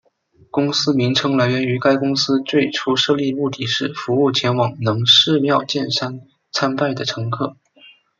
公司名称来源于该公司最初设立目的是服务前往能势妙见山参拜的乘客。